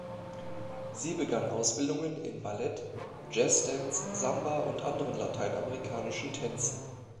Sie begann Ausbildungen in Ballett, Jazz Dance, Samba und anderen lateinamerikanischen Tänzen.